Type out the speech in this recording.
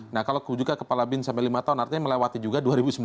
nah kalau juga kepala bin sampai lima tahun artinya melewati juga dua ribu sembilan belas